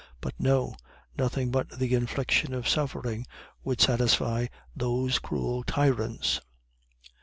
But no, nothing but the infliction of suffering would satisfy those cruel tyrants.